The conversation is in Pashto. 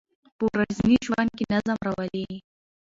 په ورځني ژوند کې نظم راولئ.